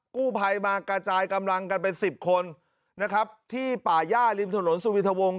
กู้ภัยมากระจายกำลังกันเป็นสิบคนนะครับที่ป่าย่าริมถนนสุวิทวง